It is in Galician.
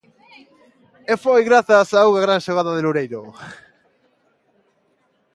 E foi grazas a unha gran xogada de Loureiro.